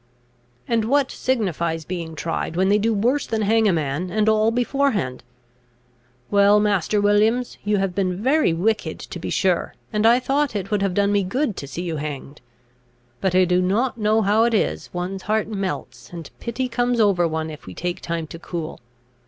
"And what signifies being tried, when they do worse than hang a man, and all beforehand? Well, master Williams, you have been very wicked to be sure, and I thought it would have done me good to see you hanged. But, I do not know how it is, one's heart melts, and pity comes over one, if we take time to cool.